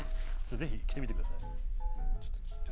ぜひ、着てみてください。